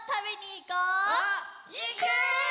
いく！